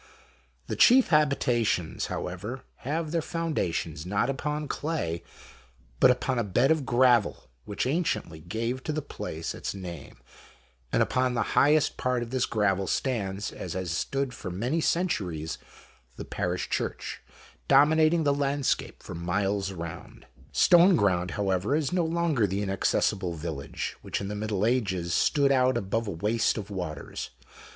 The chief habitations, however, have their foundations not upon clay, but upon a bed of gravel which anciently gave to the place its name, and upon the highest part of this gravel stands, and has stood for many centuries, the Parish Church, dominating the landscape for miles around. GHOST TALES. Stoneground, however, is no longer the inaccessible village, which in the middle ages stood out above a waste of waters.